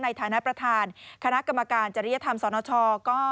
ในฐานะประธานคณะกรรมการจริยธรรมสนช